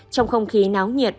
trong không khí náo nhiệt